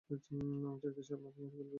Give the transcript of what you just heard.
আমি থাকতে সে আপনাকে মেরে ফেলবে?